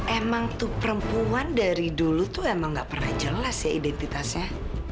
emang tuh perempuan dari dulu tuh emang gak pernah jelas ya identitasnya